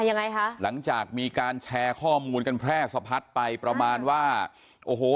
ยังไงคะหลังจากมีการแชร์ข้อมูลกันแพร่สะพัดไปประมาณว่าโอ้โห